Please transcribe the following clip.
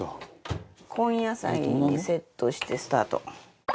財前：根野菜にセットしてスタート。